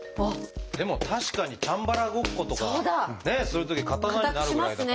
でも確かにチャンバラごっことかするとき刀になるぐらいだから。